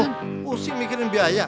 oh pusing mikirin biaya